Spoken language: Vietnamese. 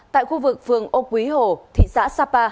tại khu vực phường âu quý hồ thị xã sapa